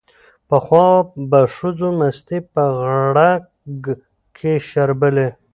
پخوا به ښځو مستې په غړګ کې شربلې